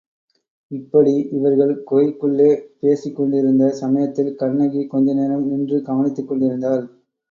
இப்படி இவர்கள் குகைக்குள்ளே பேசிக்கொண்டிருந்த சமயத்தில் கண்ணகி கொஞ்சநேரம் நின்று கவனித்துக் கொண்டிருந்தாள்.